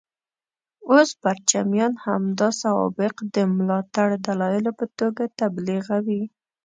اوس پرچمیان همدا سوابق د ملاتړ دلایلو په توګه تبلیغوي.